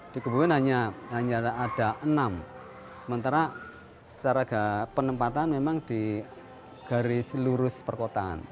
di kebumen hanya ada enam sementara secara penempatan memang di garis lurus perkotaan